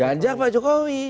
ganjar pak jokowi